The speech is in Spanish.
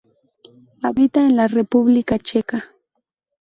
Habita en la República Checa.